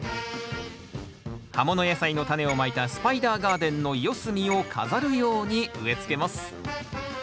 葉もの野菜のタネをまいたスパイダーガーデンの四隅を飾るように植えつけます